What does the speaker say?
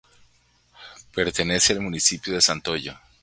Pertenece al municipio de Santoyo.